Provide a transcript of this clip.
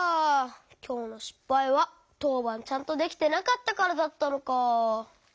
きょうのしっぱいはとうばんちゃんとできてなかったからだったのか。